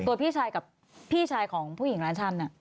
พี่ชายกับพี่ชายของผู้หญิงร้านชำเนี่ย